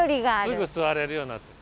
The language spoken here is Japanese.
すぐ座れるようになってる。